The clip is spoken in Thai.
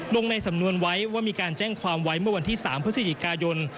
ลงในสำนวนไว้ว่ามีการแจ้งความไว้เมื่อวันที่๓พฤศจิกายน